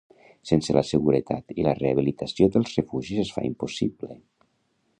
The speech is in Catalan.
Sense la seguretat i la rehabilitació dels refugis es fa impossible.